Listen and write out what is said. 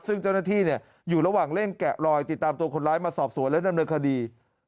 ซึ่งเจ้าหน้าที่อยู่ระหว่างเร่งแกะลอยติดตามตัวคนร้ายมาสอบสวนและดำเนินคดี